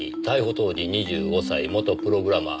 当時２５歳元プログラマー。